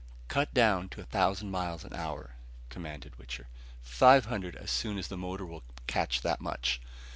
"Cut down to a thousand miles an hour," commanded Wichter. "Five hundred as soon as the motor will catch that much.